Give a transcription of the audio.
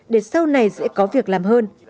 để sau này sẽ có việc làm hơn